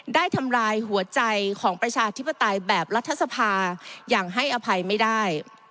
ทำลายหัวใจของประชาธิปไตยแบบรัฐสภาอย่างให้อภัยไม่ได้